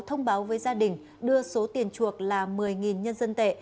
thông báo với gia đình đưa số tiền chuộc là một mươi nhân dân tệ